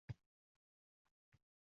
Ammo bilishing lozim bo'lgani shulki